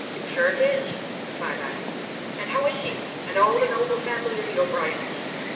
`Sure it is,' replied I; `and how is he, and all the noble family of the O'Briens?'